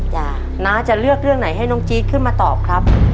น้าจะเลือกเรื่องไหนให้น้องจี๊ดขึ้นมาตอบครับ